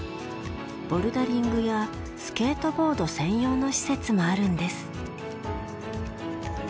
ボルダリングやスケートボード専用の施設もあるんです。